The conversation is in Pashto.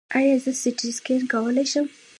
ایا زه سټي سکن کولی شم؟